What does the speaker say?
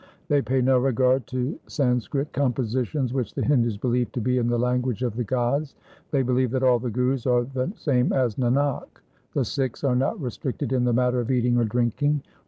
They pay no regard to San skrit compositions which the Hindus believe to be in the language of the gods. They believe that all the Gurus are the same as Nanak. The Sikhs are not restricted in the matter of eating or drinking.